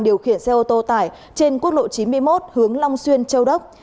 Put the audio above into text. điều khiển xe ô tô tải trên quốc lộ chín mươi một hướng long xuyên châu đốc